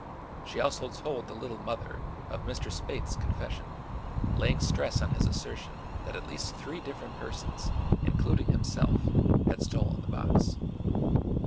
She also told the Little Mother of Mr. Spaythe's confession, laying stress on his assertion that at least three different persons, including himself, had stolen the box.